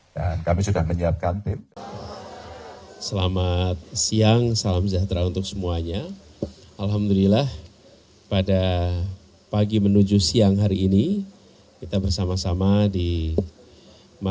dan kami sudah menyiapkan tim